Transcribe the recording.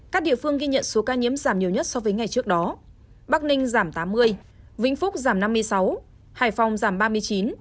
các địa phương ghi nhận số ca nhiễm giảm nhiều nhất so với ngày trước đó bắc ninh giảm tám mươi vĩnh phúc giảm năm mươi sáu hải phòng giảm ba mươi chín